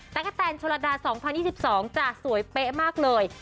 กะแตนโชลดา๒๐๒๒จ้ะสวยเป๊ะมากเลย